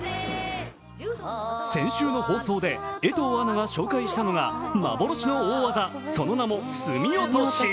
先週の放送で江藤アナが紹介したのが幻の大技、その名も隅落とし。